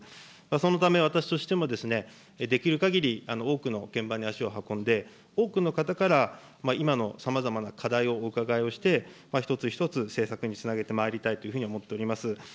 そのため、私としてもできるかぎり多くの現場に足を運んで、多くの方から今のさまざまな課題をお伺いをして、一つ一つ政策につなげてまいりたいというふうに思っております。